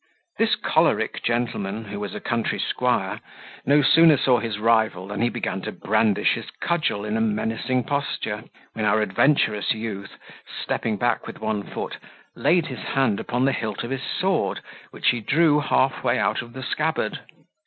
This choleric gentleman, who was a country squire, no sooner saw his rival, than he began to brandish his cudgel in a menacing posture, when our adventurous youth, stepping back with one foot, laid his hand upon the hilt of his sword, which he drew half way out of the scabbard.